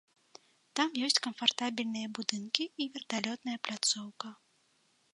Там ёсць камфартабельныя будынкі і верталётная пляцоўка.